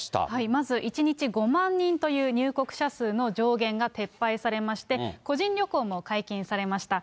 まず、１日５万人という入国者数の上限が撤廃されまして、個人旅行も解禁されました。